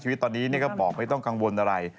ชีวิตตอนนี้ก็บอกไม่ต้องกังวลอะไร